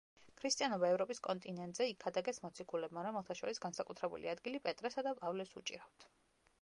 ქრისტიანობა ევროპის კონტინენტზე იქადაგეს მოციქულებმა, რომელთა შორის განსაკუთრებული ადგილი პეტრესა და პავლეს უჭირავთ.